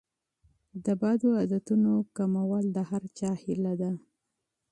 د بدو عادتونو کمول د هر چا هیله ده.